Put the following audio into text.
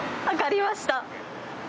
分かりました。